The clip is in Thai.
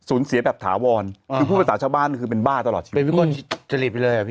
ศูนย์เสียแบบถาวรน์อ่าคือผู้ประธาชุบ้านคือเป็นบ้าตลอดชีวิตเป็นคนจะหลีบเลยอ่ะพี่